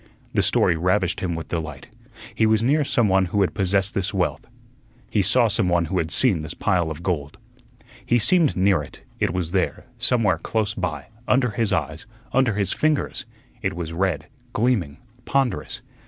The story ravished him with delight. He was near someone who had possessed this wealth. He saw someone who had seen this pile of gold. He seemed near it; it was there, somewhere close by, under his eyes, under his fingers; it was red, gleaming, ponderous.